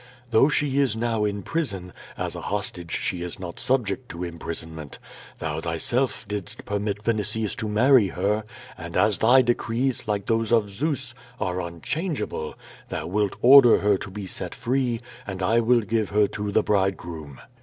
Though she is now in prison, as a hostage she is not subject to imprisonment. Thou thyself didst permit Vinitius to marry her; and as thy decrees, like those of Zeus, are unchangeable, thou wilt order her to be set free, and I will give her to the bridegroom."